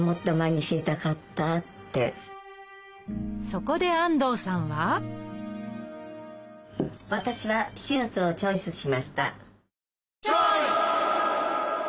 そこで安藤さんは私は「手術」をチョイスしました。